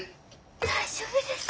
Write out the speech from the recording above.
大丈夫ですか。